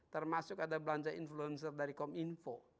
termasuk ada belanja influencer dari kom info